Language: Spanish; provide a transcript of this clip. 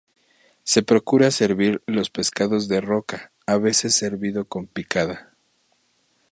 Se procura servir los pescados de roca, a veces servido con picada.